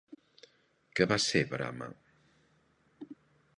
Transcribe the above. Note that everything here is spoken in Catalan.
Què va ser Brama?